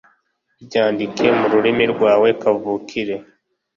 Ryandike mu rurimi rwawe kavukire .